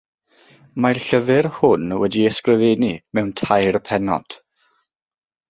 Mae'r llyfr hwn wedi'i ysgrifennu mewn tair pennod.